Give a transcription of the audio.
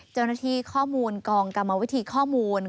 เจ้าหน้าที่ข้อมูลกองกรรมวิธีข้อมูล